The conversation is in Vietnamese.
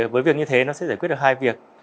với việc như thế nó sẽ giải quyết được hai việc